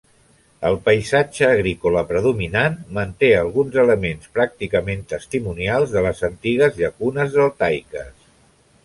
El paisatge agrícola predominant manté alguns elements pràcticament testimonials de les antigues llacunes deltaiques.